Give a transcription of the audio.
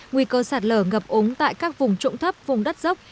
nguy cơ sạt lở ngập ống tại các vùng trụng thấp vùng đất dốc